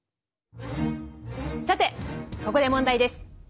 さてここで問題です。